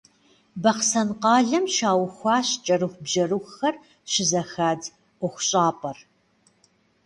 Бахъсэн къалэм щаухуащ кӏэрыхубжьэрыхухэр щызэхадз ӏуэхущӏапӏэр.